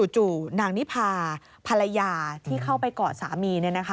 นางนิพาภรรยาที่เข้าไปกอดสามี